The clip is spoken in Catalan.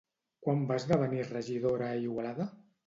Quan va esdevenir regidora a Igualada?